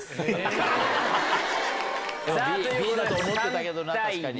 Ｂだと思ってたけどな確かに。